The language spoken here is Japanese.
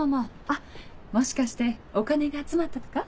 あっもしかしてお金が集まったとか？